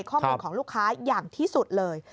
ข้อมูลของลูกค้าอย่างที่สุดเลย